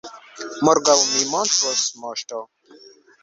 Morgaŭ mi montros, moŝto!